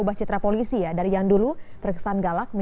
sampai jumpa lagi